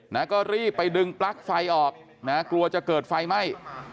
นะก็รีบไปดึงปลั๊กไฟออกนะกลัวจะเกิดไฟไหม้